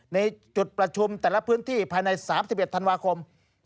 ในจุดประชุมแต่ละพื้นที่ภายใน๓๑ธันวาคม